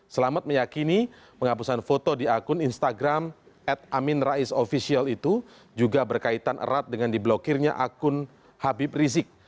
selamat meyakini penghapusan foto di akun instagram at amin rais official itu juga berkaitan erat dengan diblokirnya akun habib rizik